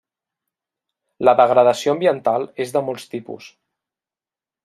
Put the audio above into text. La degradació ambiental és de molts tipus.